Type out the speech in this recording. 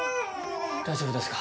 大丈夫ですか？